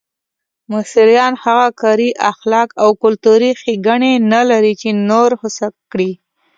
مصریان هغه کاري اخلاق او کلتوري ښېګڼې نه لري چې نور هوسا کړي.